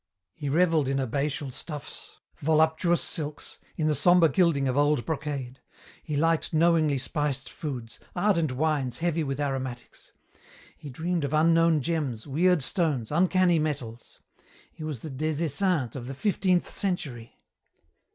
He revelled in abbatial stuffs, voluptuous silks, in the sombre gilding of old brocade. He liked knowingly spiced foods, ardent wines heavy with aromatics; he dreamed of unknown gems, weird stones, uncanny metals. He was the Des Esseintes of the fifteenth century!